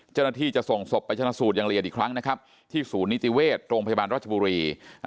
จะส่งศพไปชนะสูตรอย่างละเอียดอีกครั้งนะครับที่ศูนย์นิติเวชโรงพยาบาลราชบุรี